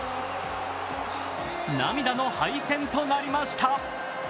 涙の敗戦となりました。